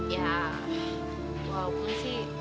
ya walaupun sih